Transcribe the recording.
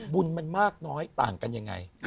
บุญมันมากน้อยต่างกันยังไง